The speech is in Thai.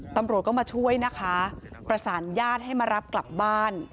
ตำรวจก็มาช่วยนะคะประสานญาติให้มารับกลับบ้าน